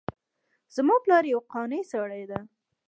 زما پلار یو قانع سړی ده